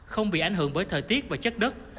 không bị ảnh hưởng bởi thời tiết và chất đất